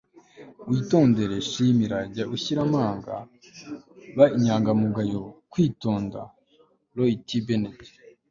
witondere. shimira. jya ushira amanga. ba inyangamugayo. kwitonda. - roy t. bennett